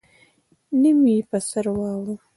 نيم يې په سر واړوه.